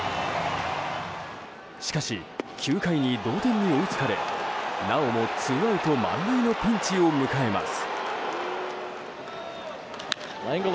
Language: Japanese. しかし、９回に同点に追いつかれなおもツーアウト満塁のピンチを迎えます。